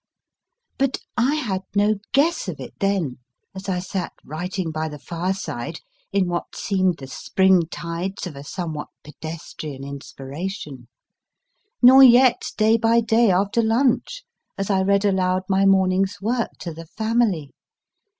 But I had no guess of it then as I sat writing by the fireside, in what seemed the spring tides of a somewhat pedestrian inspiration ; nor yet day by day, after lunch, as I read aloud my morning s work to the family.